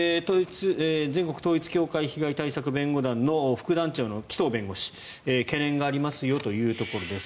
全国統一教会被害対策弁護団の副団長の紀藤弁護士懸念がありますよというところです。